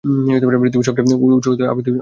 পৃথিবীর সবচেয়ে উঁচু আবৃতবীজী উদ্ভিদ কোনটি?